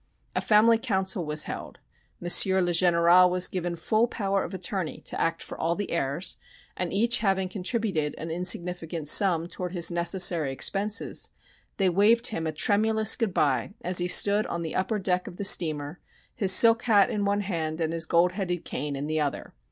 A family council was held; M. le Général was given full power of attorney to act for all the heirs; and each having contributed an insignificant sum toward his necessary expenses, they waved him a tremulous good by as he stood on the upper deck of the steamer, his silk hat in one hand and his gold headed cane in the other.